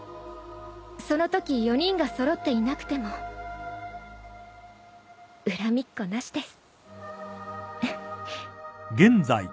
そのとき４人が揃っていなくても恨みっこなしです。